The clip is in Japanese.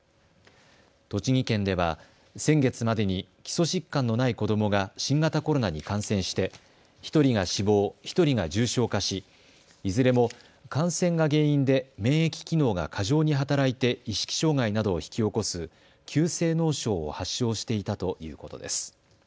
栃木県では先月までに基礎疾患のない子どもが新型コロナに感染して１人が死亡、１人が重症化しいずれも感染が原因で免疫機能が過剰に働いて意識障害などを引き起こす急性脳症を発症していたということです。